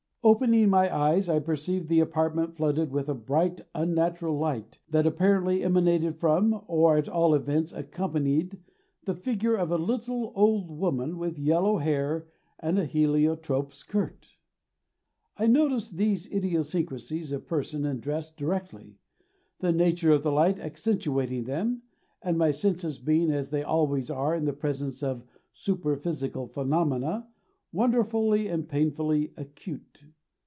Opening my eyes, I perceived the apartment flooded with a bright unnatural light that apparently emanated from, or at all events accompanied, the figure of a little old woman with yellow hair and a heliotrope skirt. I noticed these idiosyncrasies of person and dress directly, the nature of the light accentuating them, and my senses being, as they always are in the presence of superphysical phenomena, wonderfully and painfully acute.